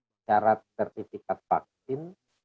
syarat sertifikat vaksin